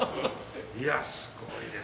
いやすごいですね。